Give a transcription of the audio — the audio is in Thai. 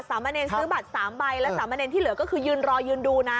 สามเณรซื้อบัตร๓ใบและสามเณรที่เหลือก็คือยืนรอยืนดูนะ